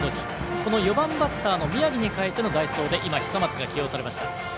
この４番バッターの宮城に代えての代走で今、久松が起用されました。